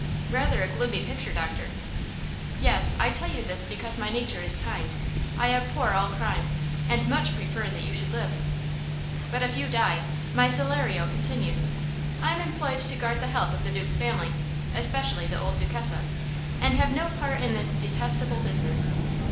"Rather a gloomy picture, doctor." "Yes. I tell you this because my nature is kind. I abhor all crime, and much prefer that you should live. But, if you die, my salario continues. I am employed to guard the health of the Duke's family especially the old Duchessa and have no part in this detestable business."